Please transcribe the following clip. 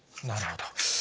なるほど。